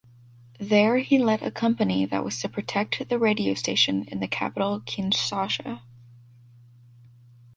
There he led a company that was to protect the radio station in the capital Kinshasa.